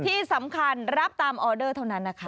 ที่สำคัญรับตามออเดอร์เท่านั้นนะคะ